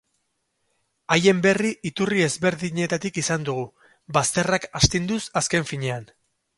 Haien berri iturri ezberdinetatik izan dugu, bazterrak astinduz azken finean.